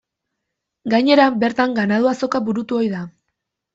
Gainera bertan ganadu azoka burutu ohi da.